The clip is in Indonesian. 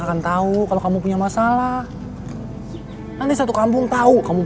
kalau dia kita main sambung kata yuk